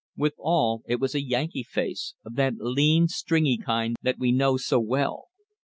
Withal, it was a Yankee face of that lean, stringy kind that we know so well.